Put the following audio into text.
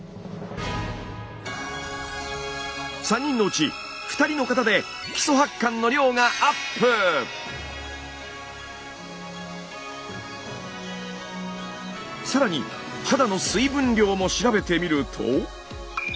３人のうち２人の方で更に肌の水分量も調べてみると。